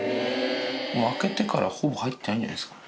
開けてから、ほぼ入ってないんじゃないですか。